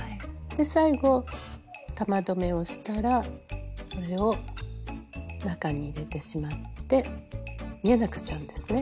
で最後玉留めをしたらそれを中に入れてしまって見えなくしちゃうんですね。